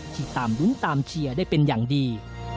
ที่ตามรุ้นตามเชียร์ได้เป็นอย่างดี